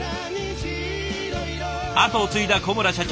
後を継いだ小村社長。